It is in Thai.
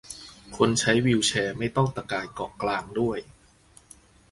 คนใช้วีลแชร์ไม่ต้องตะกายเกาะกลางด้วย